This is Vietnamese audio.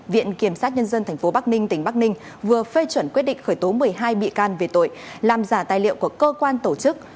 viện kiểm sát nhân dân tp bắc ninh tỉnh bắc ninh vừa phê chuẩn quyết định khởi tố một mươi hai bị can về tội làm giả tài liệu của cơ quan tổ chức